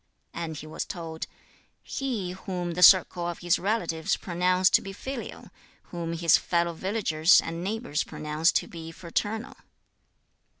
And he was told, 'He whom the circle of his relatives pronounce to be filial, whom his fellow villagers and neighbours pronounce to be fraternal.'